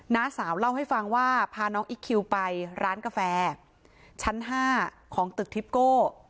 น้าสาวเล่าให้ฟังว่าพาน้องอิ๊กคิวไปร้านกาแฟชั้น๕ของตึกทิปโก้